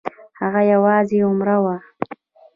هغه یوازې عمره وه.